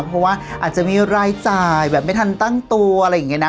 เพราะว่าอาจจะมีรายจ่ายแบบไม่ทันตั้งตัวอะไรอย่างนี้นะ